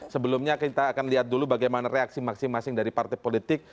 sebelumnya kita akan lihat dulu bagaimana reaksi masing masing dari partai politik